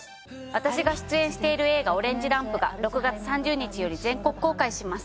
私が出演している映画『オレンジ・ランプ』が６月３０日より全国公開します。